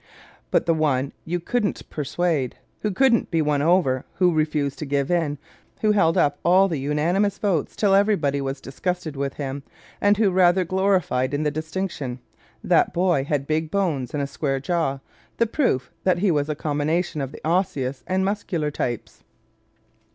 But the one you couldn't persuade, who couldn't be won over, who refused to give in, who held up all the unanimous votes till everybody was disgusted with him, and who rather gloried in the distinction that boy had big bones and a square jaw the proof that he was a combination of the Osseous and Muscular types.